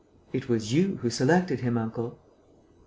"It was you who selected him, uncle."